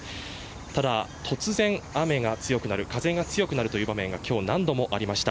ただ、突然、雨が強くなる、風が強くなるという場面が今日何度もありました。